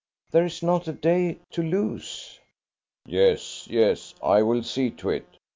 There is not a day to lose." "Yes, yes; I will see to it.